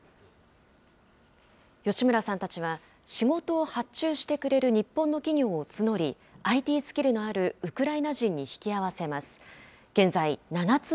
吉村さんたちは、仕事を発注してくれる日本の企業を募り、ＩＴスキルのあるウクライナ人に引き合わせます。